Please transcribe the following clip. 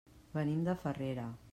Venim de Farrera.